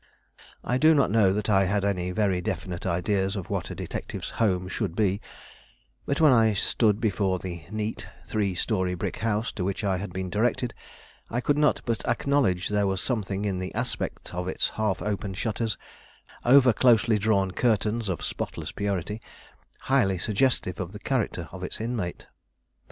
I do not know that I had any very definite ideas of what a detective's home should be; but when I stood before the neat three story brick house to which I had been directed, I could not but acknowledge there was something in the aspect of its half open shutters, over closely drawn curtains of spotless purity, highly suggestive of the character of its inmate.